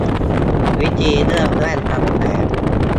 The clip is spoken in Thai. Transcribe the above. วิธีเลือกแว่นกันแดด